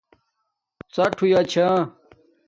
ڎاٹ ہویا چھا